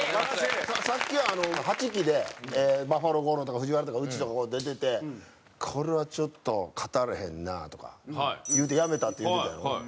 さっき８期でバッファロー吾郎とかＦＵＪＩＷＡＲＡとかうちとか出てて「これはちょっと勝たれへんな」とか言うて「辞めた」って言うてたやろ？